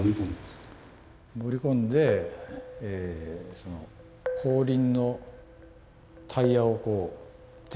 潜り込んで後輪のタイヤをこう手で。